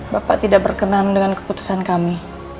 bapak tidak berkenan dengan keputusan kami